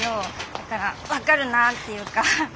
だから分かるなっていうか。